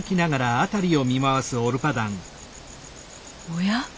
おや？